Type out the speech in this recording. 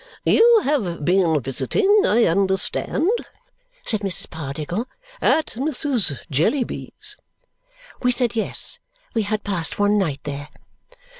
"You have been visiting, I understand," said Mrs. Pardiggle, "at Mrs. Jellyby's?" We said yes, we had passed one night there.